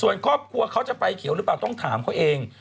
ส่วนครอบครัวเขาจะไฟเขียวหรือเปล่าต้องถามเขาเอง